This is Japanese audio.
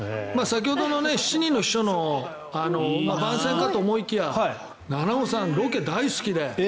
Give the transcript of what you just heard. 先ほどの「七人の秘書」の番宣かと思いきや菜々緒さん、ロケ大好きで。